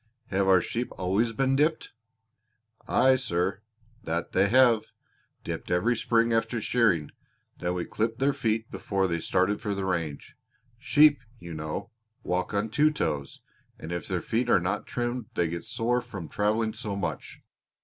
"Have our sheep always been dipped?" "Aye, sir, that they have dipped every spring after shearing; then we clipped their feet before they started for the range. Sheep, you know, walk on two toes, and if their feet are not trimmed they get sore from traveling so much.